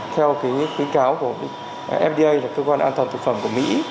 theo khuyến cáo của fda là cơ quan an toàn thực phẩm của mỹ